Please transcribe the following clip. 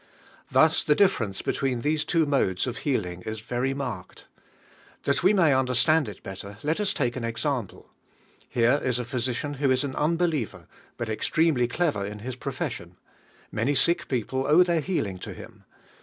Thus the difference between these two modes of healing is very marked. That we may understand it bet ter, let us take am example ; here is a phy sician who is an unbeliever, but extreme ly clever in his profession; many sick peo nrvno: HEAUHO. pie owe their healing to him.